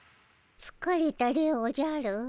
つかれたでおじゃる。